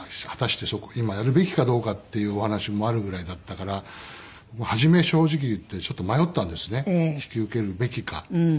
果たして今やるべきかどうかっていうお話もあるぐらいだったから初め正直言ってちょっと迷ったんですね引き受けるべきか。